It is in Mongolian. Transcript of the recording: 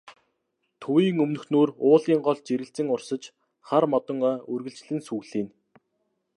Төвийн өмнөхнүүр уулын гол жирэлзэн урсаж, хар модон ой үргэлжлэн сүглийнэ.